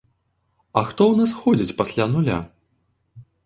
А хто ў нас ходзіць пасля нуля?